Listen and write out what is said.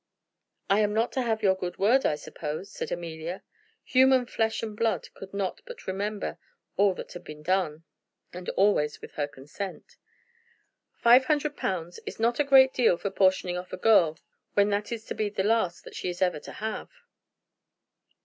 "I am not to have your good word, I suppose," said Amelia. Human flesh and blood could not but remember all that had been done, and always with her consent. "Five hundred pounds is not a great deal for portioning off a girl when that is to be the last that she is ever to have."